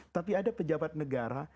tapi ada pejabat negara